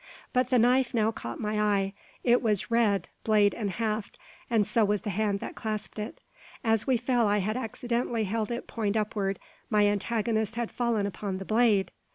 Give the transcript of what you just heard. But the knife now caught my eye. It was red, blade and haft, and so was the hand that clasped it. As we fell I had accidentally held it point upward. My antagonist had fallen upon the blade!